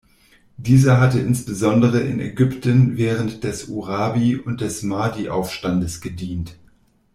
Dieser hatte insbesondere in Ägypten während des Urabi- und des Mahdi-Aufstandes gedient.